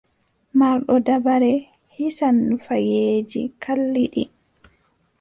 Marɗo dabare hisan nufayeeji kalliɗi.